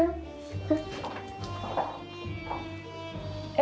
え